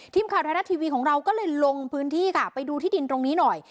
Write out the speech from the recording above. ทีมข่าวไทยรัฐทีวีของเราก็เลยลงพื้นที่ค่ะไปดูที่ดินตรงนี้หน่อย